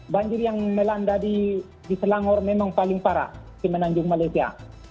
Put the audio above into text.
banjir yang melanda di selangor memang paling parah di menanjung malaysia